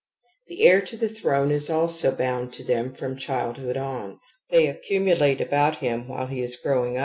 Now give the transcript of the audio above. The heir to the throne is also bound to them from childhood on ; thej accumulate about him while he is growing up.